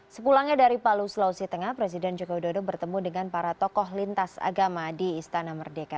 sepulangnya dari palu sulawesi tengah presiden jokowi dodo bertemu dengan para tokoh lintas agama di istana merdeka